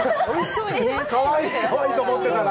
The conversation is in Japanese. かわいい、かわいいと思ってたら。